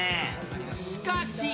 しかし。